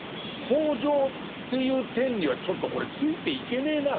北条っていう天にはちょっとこれついていけねえな。